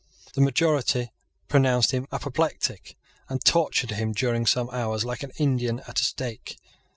The majority pronounced him apoplectic, and tortured him during some hours like an Indian at a stake.